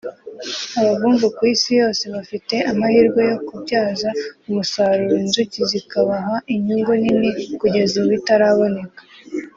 Abavumvu ku isi yose bafite amahirwe yo kubyaza umusaruro inzuki zikabaha inyungu nini kugeza ubu itaraboneka